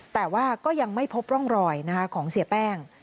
แต่ว่าก็ยังไม่พบร่องรอยของเสียแป้ง